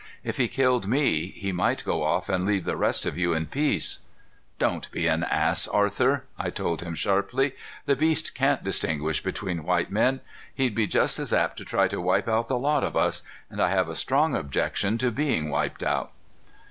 If he killed me, he might go off and leave the rest of you in peace." "Don't be an ass, Arthur," I told him sharply. "The beast can't distinguish between white men. He'd be just as apt to try to wipe out the lot of us, and I have a strong objection to being wiped out."